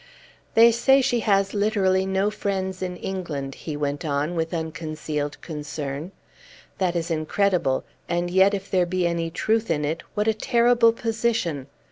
"They say she has literally no friends in England," he went on, with unconcealed concern. "That is incredible; and yet, if there be any truth in it, what a terrible position!